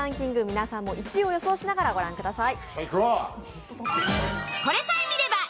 皆さんも１位を予想しながら御覧ください。